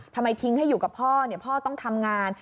ทำไมทิ้งให้อยู่กับพ่อพ่อต้องทำงาน